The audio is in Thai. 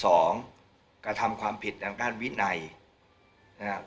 สองกระทำความผิดดังการวินัยนะครับ